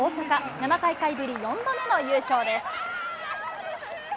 ７大会ぶり４度目の優勝です。